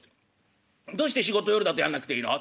「どうして仕事夜だとやんなくていいの？」っつって。